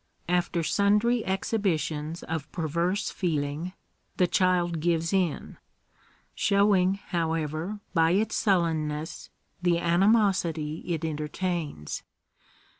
After sundry exhibitions of perverse feeling, the child gives in ; showing, however, by its sullenness the animosity it entertains.